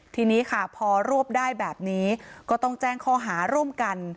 ทีนี้ค่ะพอรวบได้แบบนี้ก็ต้องแจ้งข้อหาร่วมกัน